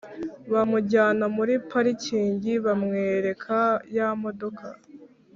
bamujyana muri parikingi bamwereka yamodoka